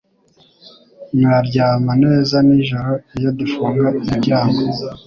Naryama neza nijoro iyo dufunga imiryango.